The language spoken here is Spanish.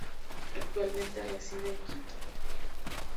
Actualmente reside en Quito.